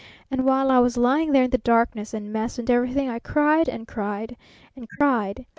And while I was lying there in the darkness and mess and everything, I cried and cried and cried.